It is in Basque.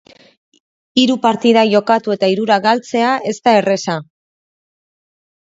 Hiru partida jokatu eta hirurak galtzea, ez da erraza.